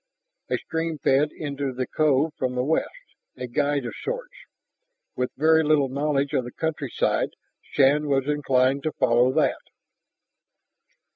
A stream fed into the cove from the west, a guide of sorts. With very little knowledge of the countryside, Shann was inclined to follow that.